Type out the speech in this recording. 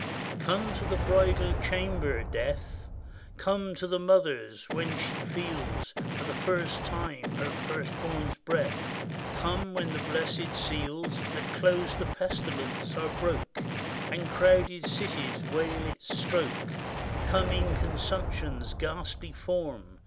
224 MARCO BOZZARIS Come to the bridal chamber, Death ! Come to the mother's, when she feels, For the first time, her first born's breath; Come when the blessed seals That close the pestilence are broke, And crowded cities wail its stroke; Come in consumption's ghastly form.